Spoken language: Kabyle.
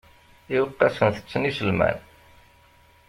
Iweqqasen tetten iselman.